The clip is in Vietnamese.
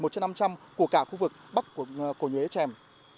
một trên năm trăm linh của cả khu vực bắc cổ nhế trèm